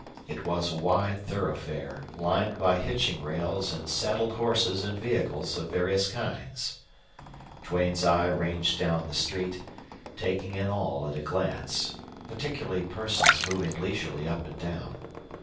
It was a wide thoroughfare lined by hitching rails and saddled horses and vehicles of various kinds. Duane's eye ranged down the street, taking in all at a glance, particularly persons moving leisurely up and down.